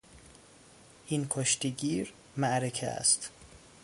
این کشتیگیر معرکه است.